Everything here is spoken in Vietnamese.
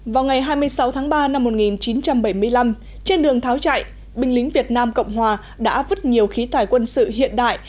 vào ngày hai mươi sáu tháng ba năm một nghìn chín trăm bảy mươi năm trên đường tháo chạy binh lính việt nam cộng hòa đã vứt nhiều khí thải quân sự hiện đại